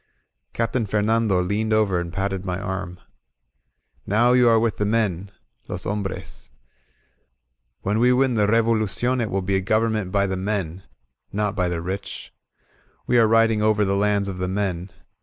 Captain Fernando leaned over and patted my arm. Now you are with the men {los hombres.) When we win the Revolucion it will be a government by the men, —not by the rich. We are riding over the lands of the men.